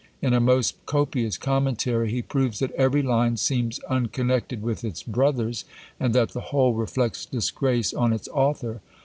In a most copious commentary, he proves that every line seems unconnected with its brothers, and that the whole reflects disgrace on its author!